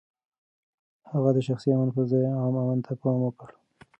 هغه د شخصي امن پر ځای عام امن ته پام وکړ.